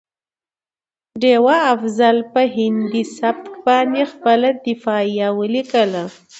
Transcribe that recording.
ډيوه افضل په هندي سبک باندې خپله دفاعیه ولیکه